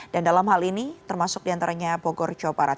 dan dalam hal ini termasuk diantaranya bogor jawa barat